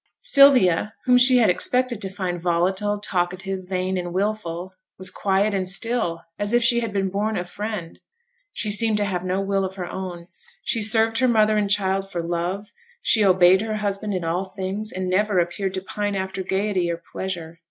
Sylvia, whom she had expected to find volatile, talkative, vain, and wilful, was quiet and still, as if she had been born a Friend: she seemed to have no will of her own; she served her mother and child for love; she obeyed her husband in all things, and never appeared to pine after gaiety or pleasure.